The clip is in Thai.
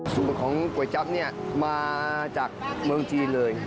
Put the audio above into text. สูตรของก๋วยจั๊บเนี่ยมาจากเมืองจีนเลย